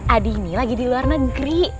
adi ini lagi di luar negeri